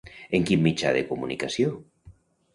En quin mitjà de comunicació?